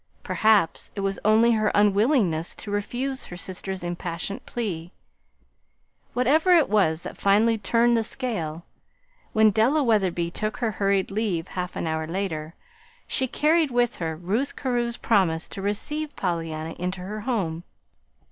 Perhaps it was only her unwillingness to refuse her sister's impassioned plea. Whatever it was that finally turned the scale, when Della Wetherby took her hurried leave half an hour later, she carried with her Ruth Carew's promise to receive Pollyanna into her home.